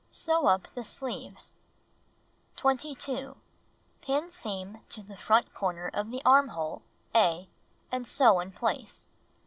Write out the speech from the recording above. Sew up the sleeves. 22. Pin seam to the front corner of the armhole (A) and sew in place.